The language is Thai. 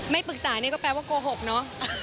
ไม่ปรึกษานี่ก็แปลว่าโกหกเนอะ